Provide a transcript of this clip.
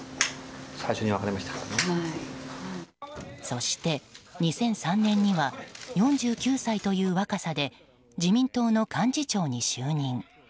そして２００３年には４９歳という若さで自民党の幹事長に就任。